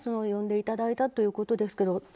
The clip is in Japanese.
呼んでいただいたということですから。